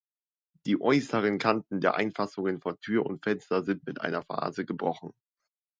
Die äußeren Kanten der Einfassungen von Tür und Fenster sind mit einer Fase gebrochen.